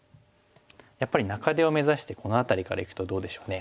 やっぱり中手を目指してこの辺りからいくとどうでしょうね。